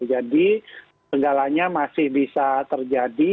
jadi segalanya masih bisa terjadi